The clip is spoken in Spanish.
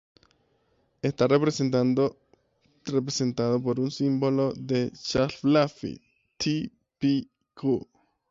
Está representado por un símbolo de Schläfli t{"p","q"...}.